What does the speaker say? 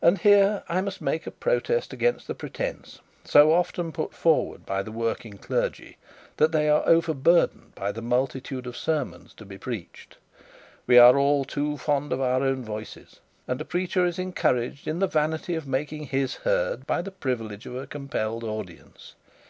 And here I must make a protest against the pretence, so often put forward by the working clergy, that they are overburdened by the multitude of sermons to be preached. We are all too fond of our own voices, and a preacher is encouraged in the vanity of making his heard by the privilege of a compelled audience.